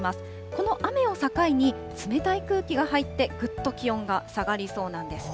この雨を境に冷たい空気が入ってぐっと気温が下がりそうなんです。